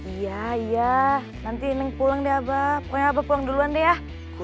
iya iya nanti neng pulang deh abah